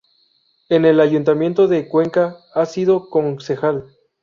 En el Ayuntamiento de Cuenca ha sido concejal.